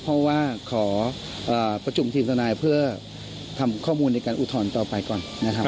เพราะว่าขอประชุมทีมทนายเพื่อทำข้อมูลในการอุทธรณ์ต่อไปก่อนนะครับ